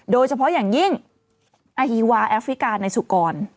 โดยเฉพาะอย่างยิ่งอาฮีวาแอฟริกาในสุกร